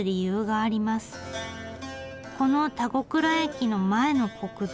この田子倉駅の前の国道